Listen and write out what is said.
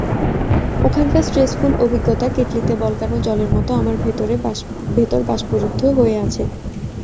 ওখানকার স্ট্রেসফুল অভিজ্ঞতা কেতলিতে বলকানো জলের মতো আমার ভেতর বাষ্পরুদ্ধ হয়ে আছে।